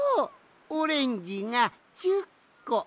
オレンジが１０こ！